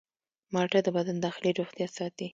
مالټه د بدن داخلي روغتیا ساتي.